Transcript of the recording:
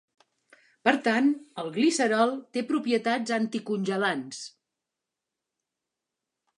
Per tant, el glicerol té propietats anticongelants.